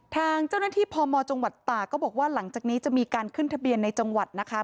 ทางเจ้าหน้าที่พมจังหวัดตากก็บอกว่าหลังจากนี้จะมีการขึ้นทะเบียนในจังหวัดนะคะ